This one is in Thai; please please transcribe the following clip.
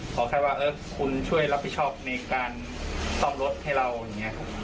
ขอแค่ว่าคุณช่วยรับผิดชอบในการซ่อมรถให้เราอย่างนี้